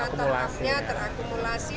tanpa top upnya terakumulasi